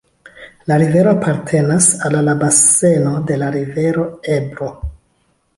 La rivero apartenas al la baseno de la rivero Ebro.